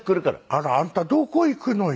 あらあんたどこ行くのよ？